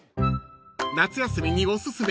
［夏休みにおすすめ］